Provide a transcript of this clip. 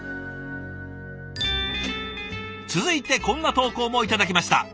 続いてこんな投稿も頂きました。